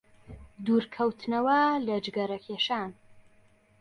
دوورکەوتنەوە لە جگەرەکێشان